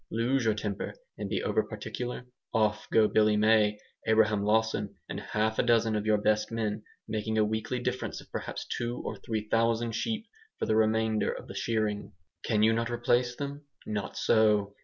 Lose your temper, and be over particular: off go Billy May, Abraham Lawson, and half a dozen of your best men, making a weekly difference of perhaps two or three thousand sheep for the remainder of the shearing. Can you not replace them? Not so!